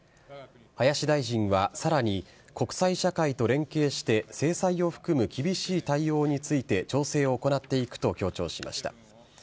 林大臣はさらに、国際社会と連携して制裁を含む厳しい対応について調整を行っていくと強調しました。